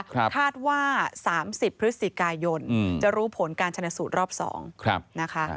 คาดว่า๓๐พฤศจิกายนจะรู้ผลการชนะสูตรรอบ๒นะคะ